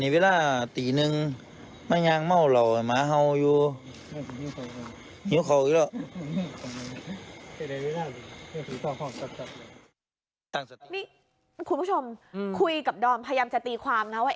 คุณผู้ชมอย่างกว่าคุยกับดอร์มพยายามใช้ตีความนะว่า